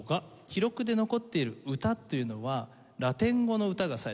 記録で残っている歌っていうのはラテン語の歌が最初なんですね。